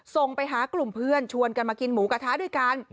ส่งไปหากลุ่มเพื่อนชวนกันมากินหมูกระทะด้วยกัน